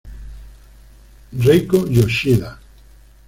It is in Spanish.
Reiko Yoshida